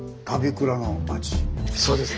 そうです。